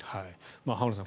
浜田さん